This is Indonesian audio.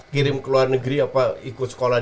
kirim ke luar negeri apa ikut sekolah